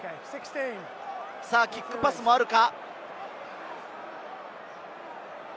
キックパスもあるか？